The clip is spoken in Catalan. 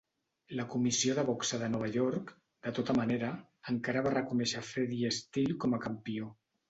La comissió de boxa de Nova York, de tota manera, encara va reconèixer Freddie Steele com a campió.